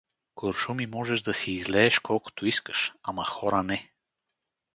Куршуми можеш да си излееш, колкото искаш, ама хора не.